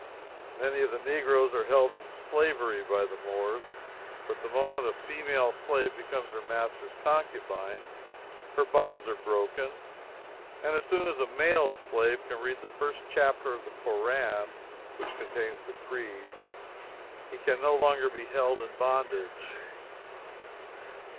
Many of the Negroes are held in slavery by the Moors. But the moment a female slave becomes her master's concubine her bonds are broken, and as soon as a male slave can read the first chapter of the Koran (which contains the creed) he can no longer be held in bondage.